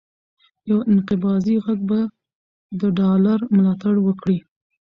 یو انقباضي غږ به د ډالر ملاتړ وکړي،